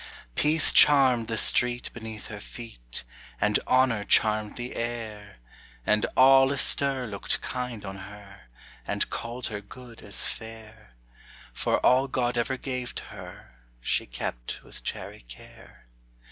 Peace charmed the street beneath her feet, And Honor charmed the air; And all astir looked kind on her, And called her good as fair, For all God ever gave to her She kept with chary care.